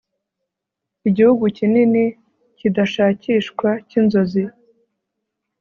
Igihugu kinini kidashakishwa cyinzozi